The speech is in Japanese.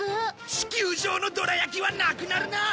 地球上のどら焼きはなくなるな！